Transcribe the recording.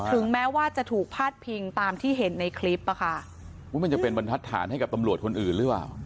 ถึงแม้ว่าจะถูกพาดพิงตามที่เห็นในคลิปอ่ะค่ะอุ้ยมันจะเป็นบรรทัดฐานให้กับตำรวจคนอื่นหรือเปล่า